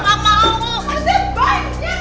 hati bapak ikan